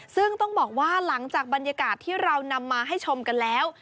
ซึ่งต้องบอกว่าหลังจากบรรยากาศที่เรานำมาให้ชมกันแล้ว